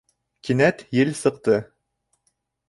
Кинәт ел сыҡты.